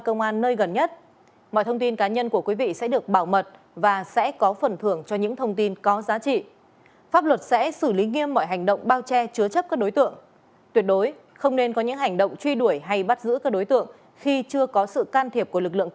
công an huyện lấp võ tỉnh đồng tháp huyện lấp võ tỉnh đồng tháp